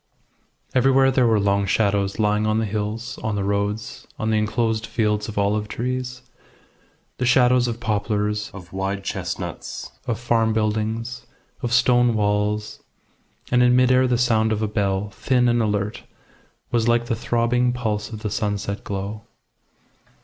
Everywhere there were long shadows lying on the hills, on the roads, on the enclosed fields of olive trees; the shadows of poplars, of wide chestnuts, of farm buildings, of stone walls; and in mid air the sound of a bell, thin and alert, was like the throbbing pulse of the sunset glow.